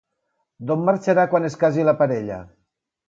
D'on marxarà quan es casi la parella?